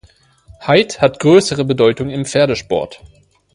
Haidt hat größere Bedeutung im Pferdesport.